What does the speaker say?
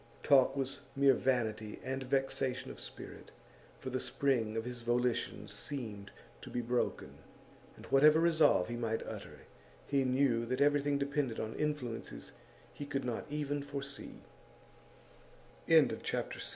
Talk was mere vanity and vexation of spirit, for the spring of his volition seemed to be broken, and, whatever resolve he might utter, he knew that everything depended on influences he could not